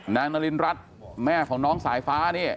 นางนารินรัฐแม่ของน้องสายฟ้านี่